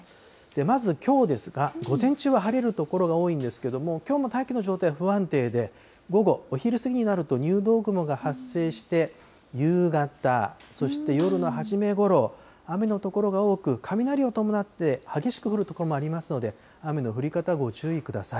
まずきょうですが、午前中は晴れる所が多いんですけれども、きょうも大気の状態不安定で、午後、お昼過ぎになると入道雲が発生して、夕方、そして夜の初めごろ、雨の所が多く、雷を伴って、激しく降る所もありますので、雨の降り方、ご注意ください。